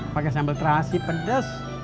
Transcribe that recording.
pake sambal terasi pedes